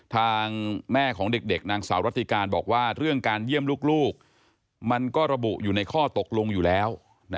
ทางแม่ของเด็กนางสาวรัติการบอกว่าเรื่องการเยี่ยมลูกมันก็ระบุอยู่ในข้อตกลงอยู่แล้ว